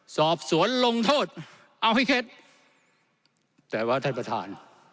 สอบสวนลงโทษเอาให้เคล็ดแต่ว่าท่านประธาน